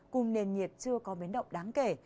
cùng nền nhiệt chưa có biến động đáng kể